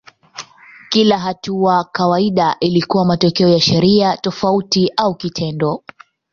Kila hatua kawaida ilikuwa matokeo ya sheria tofauti au kitendo.